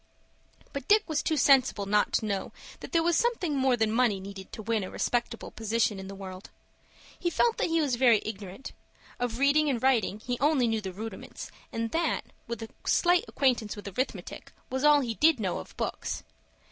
But Dick was too sensible not to know that there was something more than money needed to win a respectable position in the world. He felt that he was very ignorant. Of reading and writing he only knew the rudiments, and that, with a slight acquaintance with arithmetic, was all he did know of books.